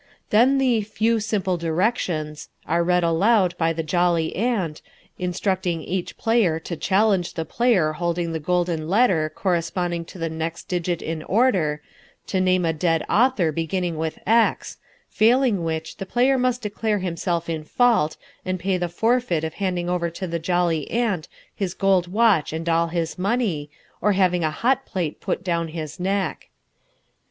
Then the "few simple directions" are read aloud by the Jolly Aunt, instructing each player to challenge the player holding the golden letter corresponding to the digit next in order, to name a dead author beginning with X, failing which the player must declare himself in fault, and pay the forfeit of handing over to the Jolly Aunt his gold watch and all his money, or having a hot plate put down his neck.